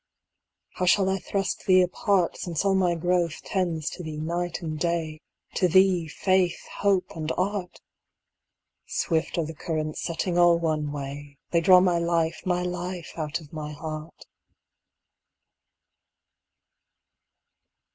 How shall I thrust thee apart Since all my growth tends to thee night and day — To thee faith, hope, and art ? Swift are the currents setting all one way; They draw my life, my life, out of my heart.